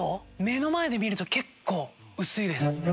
目の前で見ると結構薄いです。